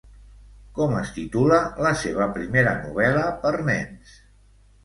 Com es titula la seva primera novel·la per nens?